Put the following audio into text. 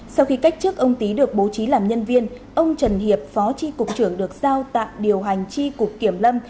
sau khi cách chức ông tý được bố trí làm nhân viên ông trần hiệp phó tri cục trưởng được giao tạm điều hành tri cục kiểm lâm